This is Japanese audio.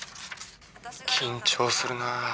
緊張するなぁ。